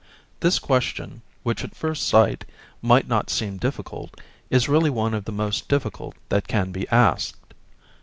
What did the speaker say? This question, which at first sight might not seem difficult, is really one of the most difficult that can be asked.